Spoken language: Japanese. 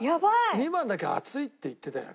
２番だけ「熱い」って言ってたよね。